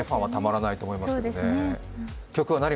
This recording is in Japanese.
それでもファンはたまらないと思いますね。